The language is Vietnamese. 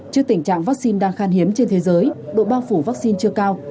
trước tình trạng vaccine đang khan hiếm trên thế giới độ bao phủ vaccine chưa cao